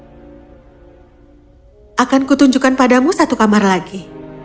aku akan menunjukkan padamu satu kamar lagi